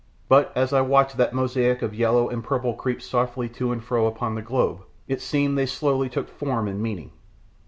But as I watched that mosaic of yellow and purple creep softly to and fro upon the globe it seemed they slowly took form and meaning.